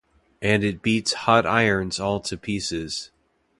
And it beats hot-irons all to pieces!